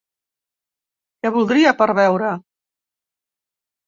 Què voldria per beure?